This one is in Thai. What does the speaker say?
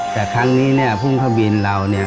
แต่ครั้งนี้พุ่งข้าวบินเรา